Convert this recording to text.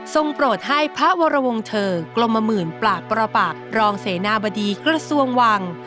โปรดให้พระวรวงเธอกรมหมื่นปากปรปักรองเสนาบดีกระทรวงวัง